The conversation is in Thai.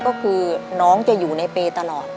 ก็คือน้องจะอยู่ในเปย์ตลอด